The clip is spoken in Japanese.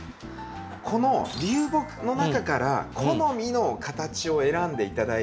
この流木の中から好みの形を選んでいただいて。